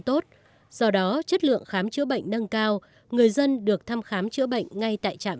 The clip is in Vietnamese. tốt do đó chất lượng khám chữa bệnh nâng cao người dân được thăm khám chữa bệnh ngay tại trạm